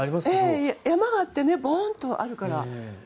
山があってボーンとあるから。